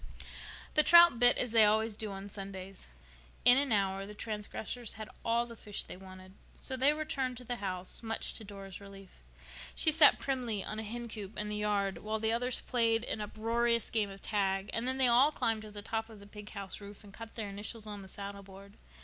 The trout bit as they always do on Sundays. In an hour the transgressors had all the fish they wanted, so they returned to the house, much to Dora's relief. She sat primly on a hencoop in the yard while the others played an uproarious game of tag; and then they all climbed to the top of the pig house roof and cut their initials on the saddleboard.